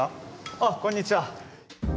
あっこんにちは。